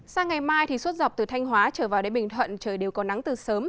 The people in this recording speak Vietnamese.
sang ngày mai suốt dọc từ thanh hóa trở vào đến bình thuận trời đều có nắng từ sớm